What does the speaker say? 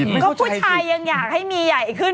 ก็ผู้ชายยังอยากให้มีใหญ่ขึ้น